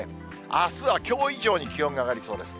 あすはきょう以上に気温が上がりそうです。